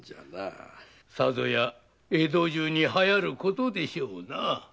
さぞや江戸中に流行ることでしょうな。